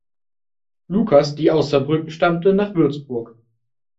Lucas, die aus Saarbrücken stammte, nach Würzburg.